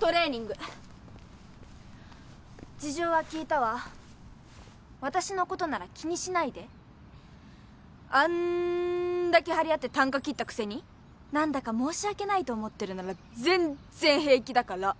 トレーニング事情は聞いたわ私のことなら気にしないであんだけ張り合ってたんか切ったくせに何だか申し訳ないと思ってるなら全っ然平気だから！